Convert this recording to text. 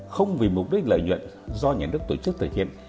không vì mục đích lợi nhuận do nhà nước tổ chức thực hiện